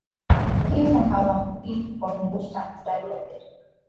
ukimwi hauambukizwi kwa kumgusa mtu aliyeathirika